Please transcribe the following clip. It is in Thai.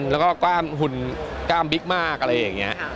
แล้วก็หุ่นกล้ามพริกมากอะไรอย่างเนี้ย